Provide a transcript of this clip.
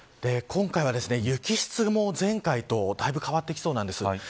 今回は雪質も前回とだいぶ変わってきそうなんです。